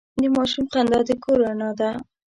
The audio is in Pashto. د ماشوم خندا د کور رڼا ده.